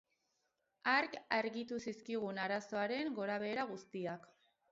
Hark argitu zizkigun arazoaren gorabehera guztiak.